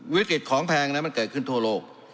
วิกฤตของแพงนั้นมันเกิดขึ้นทั่วโลก